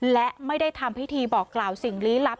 และไม่ได้ทำพิธีบอกกล่าวสิ่งลี้ลับ